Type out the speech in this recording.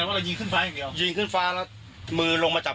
มีเกิดเหตุการณ์อย่างนี้ครับ